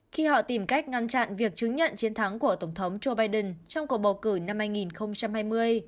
khi họ tìm cách ngăn chặn việc chứng nhận chiến thắng của tổng thống joe biden trong cuộc bầu cử năm hai nghìn hai mươi